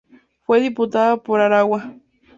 Fue diputada por Aragua.